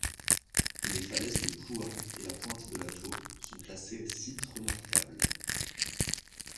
Les falaises de Plouha et la pointe de la Tour sont classées sites remarquables.